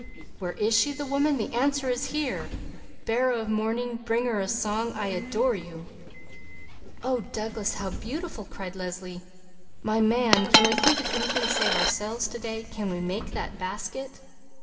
_ "'Where is she, the Woman?' The answer is 'Here!' 'Bearer of Morning,' 'Bringer of Song,' I adore you!" "Oh Douglas, how beautiful!" cried Leslie. "My Man, can we think of anything save ourselves to day? Can we make that basket?"